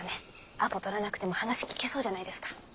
アポ取らなくても話聞けそうじゃないですか。